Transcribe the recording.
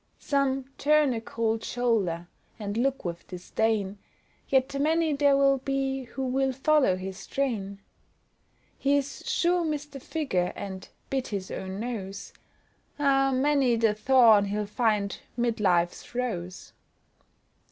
Some "turn a cold shoulder," and look with disdain, Yet many there'll be who will follow his train. He's "sure missed a figure," and "bit his own nose," Ah, many the thorn he'll find 'mid life's rose.